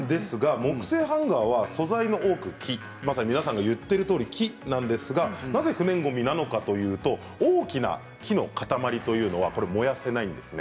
木製ハンガーは素材の多くが木まさに皆さんが言っているとおり木なんですがなぜ不燃ごみかというと大きな木の塊は燃やせないんですね。